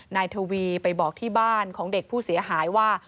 นายทวีไปบอกที่บ้านของเด็กผู้เสียหายว่า